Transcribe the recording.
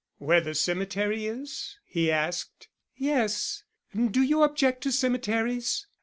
"Where the cemetery is?" he asked. "Yes; do you object to cemeteries?